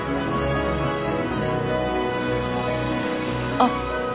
あっ。